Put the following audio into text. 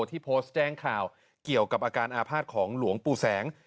ที่โพสต์แจ้งข่าวเกี่ยวกับอาการอาภาษณ์ของหลวงปู่แสง